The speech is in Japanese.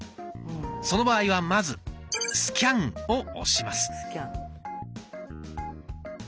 その場合はまず「スキャン」を押します。